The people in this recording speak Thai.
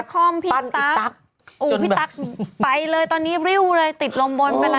แล้วก็ตั้นพี่ตั๊กอู๋พี่ตั๊กไปเลยตอนนี้ริ่วเลยติดลงบนไปแล้ว